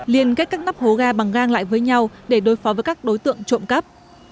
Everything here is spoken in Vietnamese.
liên kết các nắp hố ga bằng gang lại với nhau để đối phó với các đối tượng trộm cắp